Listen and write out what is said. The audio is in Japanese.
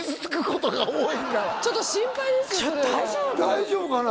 大丈夫かな？